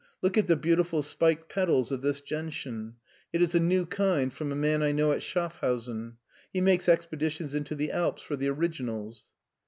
Look at the beautiful spiked petals of this gentian. It is a new kind from a man I know at Schaffhausen. He makes expeditions into the Alps for the originals."